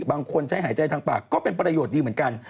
บางคนใช้หายใจทางปากก็เป็นประโยชน์ดีเหมือนกัน